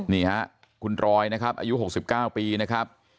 นี่ฮะคุณรอยนะครับอายุ๖๙ปีนะครับ